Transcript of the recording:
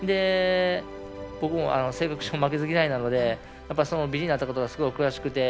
僕も負けず嫌いなのでビリになったことがすごく悔しくて。